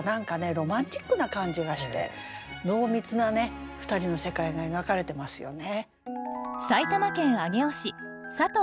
ロマンチックな感じがして濃密な２人の世界が描かれてますよね。